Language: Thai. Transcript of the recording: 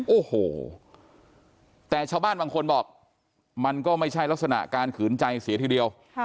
โอ้โหแต่ชาวบ้านบางคนบอกมันก็ไม่ใช่ลักษณะการขืนใจเสียทีเดียว